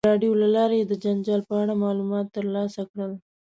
د راډیو له لارې یې د جنجال په اړه معلومات ترلاسه کړل.